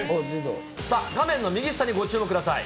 さあ、画面の右下にご注目ください。